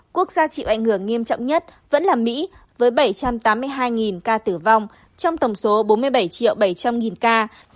quốc gia chịu ảnh hưởng nghiêm trọng nhất vẫn là mỹ với bảy trăm tám mươi hai ca tử vong trong tổng số bốn mươi bảy triệu bảy trăm linh ca